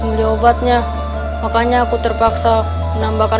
beli obatnya makanya aku terpaksa menambahkan